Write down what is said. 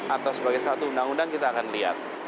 atau sebagai satu undang undang kita akan lihat